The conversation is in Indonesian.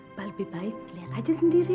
mbah lebih baik lihat aja sendiri